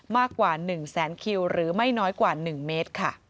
มากกว่า๑แสนคิวหรือไม่น้อยกว่า๑เมตรค่ะ